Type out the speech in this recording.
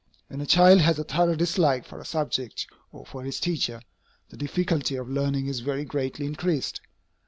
When a child has a thorough dislike for a subject or for his teacher, the difficulty of learning is very greatly increased.